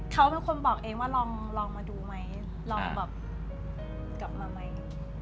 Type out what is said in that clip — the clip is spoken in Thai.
เขาเป็นคนบอกเองว่าลองมาดูไหมลองแบบกลับมาไหม